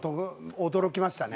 驚きましたね。